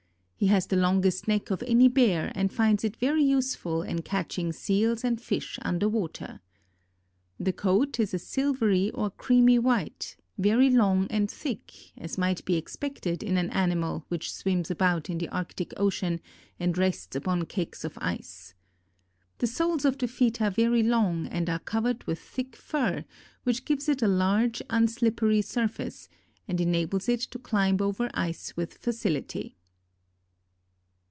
He has the longest neck of any bear and finds it very useful in catching seals and fish under water. The coat is a silvery or creamy white, very long and thick, as might be expected in an animal which swims about in the Arctic Ocean and rests upon cakes of ice. The soles of the feet are very long and are covered with thick fur, which gives it a large unslippery surface, and enables it to climb over ice with facility.